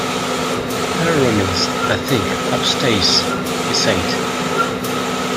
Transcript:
"Her room is, I think, upstairs," he said.